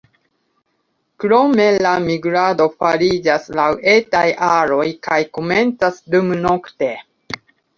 Krome la migrado fariĝas laŭ etaj aroj kaj komencas dumnokte.